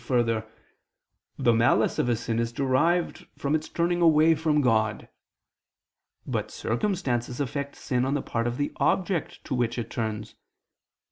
3: Further, the malice of a sin is derived from its turning away (from God). But circumstances affect sin on the part of the object to which it turns.